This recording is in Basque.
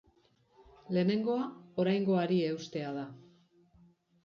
Lehenengoa, oraingoari eustea da.